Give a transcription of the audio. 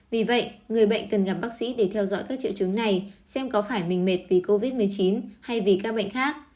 vì vậy người bệnh cần gặp bác sĩ để theo dõi các triệu chứng này xem có phải mình mệt vì covid một mươi chín thay vì các bệnh khác